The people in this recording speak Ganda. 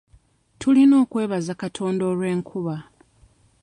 Tulina okwebaza Katonda olw'enkuba .